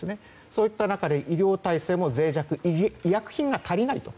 そういった中で医療体制も脆弱医薬品が足りないと。